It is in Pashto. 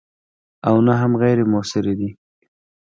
او نه هم غیر موثرې دي.